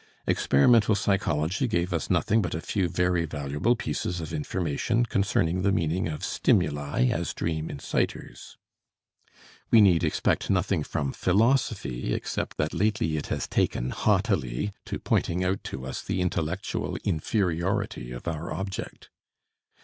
Experimental psychology gave us nothing but a few very valuable pieces of information concerning the meaning of stimuli as dream incitors. We need expect nothing from philosophy except that lately it has taken haughtily to pointing out to us the intellectual inferiority of our object.